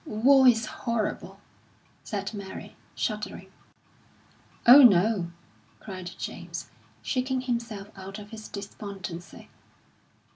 "War is horrible!" said Mary, shuddering. "Oh, no!" cried James, shaking himself out of his despondency.